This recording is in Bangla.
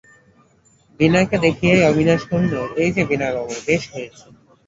বিনয়কে দেখিয়াই অবিনাশ কহিল, এই-যে বিনয়বাবু, বেশ হয়েছে।